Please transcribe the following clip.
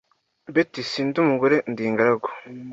betty: sindi umugore, ndi ingaragu.